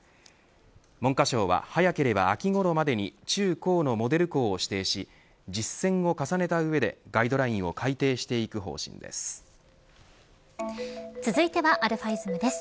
文科省は早ければ秋ごろまでに中高のモデル校を指定し実践を重ねた上でガイドラインを続いてはαｉｓｍです。